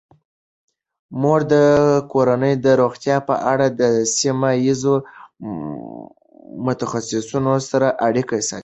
مور د کورنۍ د روغتیا په اړه د سیمه ایزو متخصصینو سره اړیکه ساتي.